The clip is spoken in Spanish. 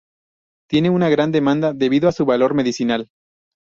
Tiene una gran demanda debido a su valor medicinal.